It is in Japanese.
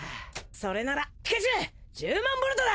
それならピカチュウ１０万ボルトだ！